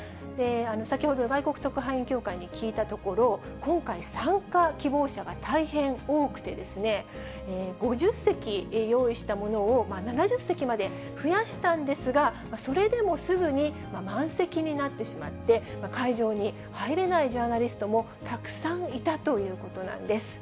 先ほど、外国特派員協会に聞いたところ、今回、参加希望者が大変多くて、５０席用意したものを７０席まで増やしたんですが、それでもすぐに満席になってしまって、会場に入れないジャーナリストもたくさんいたということなんです。